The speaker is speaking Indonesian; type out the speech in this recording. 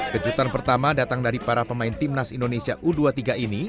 kejutan pertama datang dari para pemain timnas indonesia u dua puluh tiga ini